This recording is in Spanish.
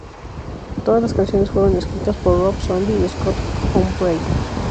Todas las canciones fueron escritas por Rob Zombie y Scott Humphrey.